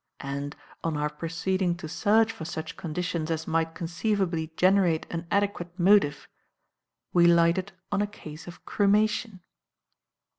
And, on our proceeding to search for such conditions as might conceivably generate an adequate motive, we lighted on a case of cremation.